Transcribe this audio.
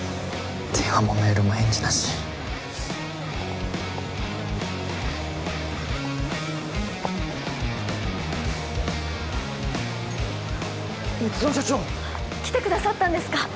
電話もメールも返事なし蜜園社長！来てくださったんですか？